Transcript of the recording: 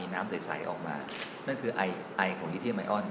นะครับถ้า